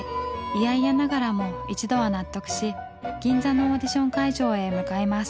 嫌々ながらも一度は納得し銀座のオーディション会場へ向かいます。